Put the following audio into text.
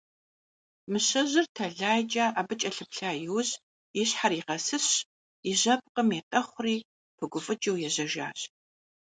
Мыщэжьыр тэлайкӀэ абы кӀэлъыплъа иужь, и щхьэр игъэсысщ, и жьэпкъым етӀэхъури пыгуфӀыкӀыу ежьэжащ.